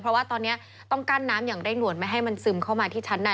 เพราะว่าตอนนี้ต้องกั้นน้ำอย่างเร่งด่วนไม่ให้มันซึมเข้ามาที่ชั้นใน